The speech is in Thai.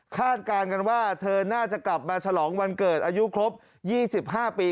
การกันว่าเธอน่าจะกลับมาฉลองวันเกิดอายุครบ๒๕ปี